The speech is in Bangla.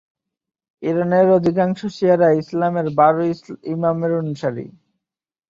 ইরানের অধিকাংশ শিয়ারা ইসলামের বারো ইমামের অনুসারী।